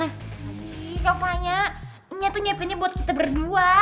nanti kayaknya nya tuh nyiapinnya buat kita berdua